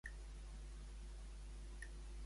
Amb qui va contreure matrimoni, Procles?